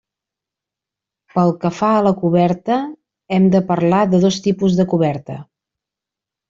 Pel que fa a la coberta hem de parlar de dos tipus de coberta.